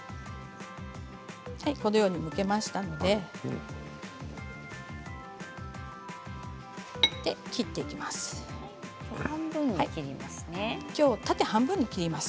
このように、むけましたので切っていきます。